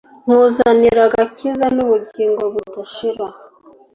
Nkuzanira agakiza n’ubugingo budashira